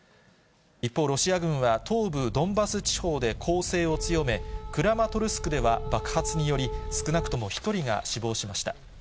一方、ロシア軍は東部ドンバス地方で攻勢を強め、クラマトルスクでは爆発により少なくとも１人が死亡しました。